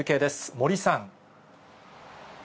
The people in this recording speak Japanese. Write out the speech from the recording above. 森さん。